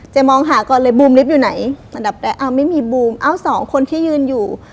เจ๊มองหาก่อนเลยบูมลิฟอยู่ไหนอ่ะอันดับแรกอ่ะไม่มีบูมเอ้า๒คนที่ยืนอยู่